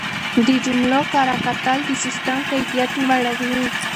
د جملو کره کتل د سیسټم کیفیت لوړوي.